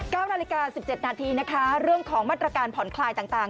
นาฬิกาสิบเจ็ดนาทีนะคะเรื่องของมาตรการผ่อนคลายต่างต่าง